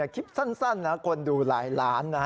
คลิปสั้นนะคนดูหลายล้านนะฮะ